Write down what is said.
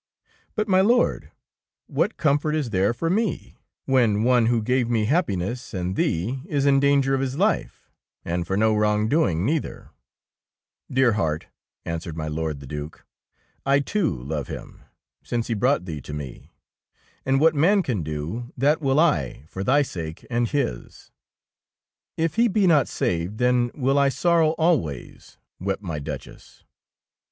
'' But, my Lord, what comfort is there for me, when one who gave me happi ness and thee, is in danger of his life, and for no wrongdoing, neither I" '^Dear heart," answered my Lord the Due, " I too love him, since he brought thee to me, and what man can do, that will I for thy sake and his." ''If he be not saved, then will I sor row always," wept my Duchess.